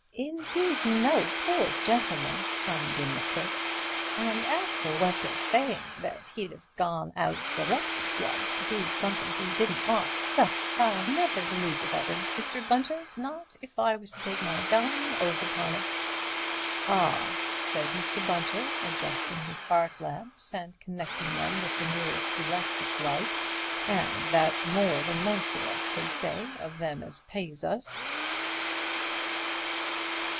"Indeed, no, poor gentleman," chimed in the cook, "and as for what they're sayin', that he'd 'ave gone out surrepshous like to do something he didn't ought, well, I'd never believe it of him, Mr. Bunter not if I was to take my dying oath upon it." "Ah!" said Mr. Bunter, adjusting his arc lamps and connecting them with the nearest electric light, "and that's more than most of us could say of them as pays us."